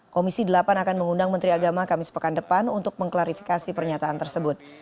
komisi delapan akan mengundang menteri agama kamis pekan depan untuk mengklarifikasi pernyataan tersebut